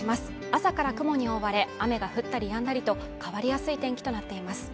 朝から雲に覆われ雨が降ったりやんだりと変わりやすい天気となっています